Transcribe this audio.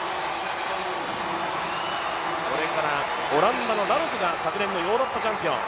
オランダのラロスが昨年のヨーロッパチャンピオン。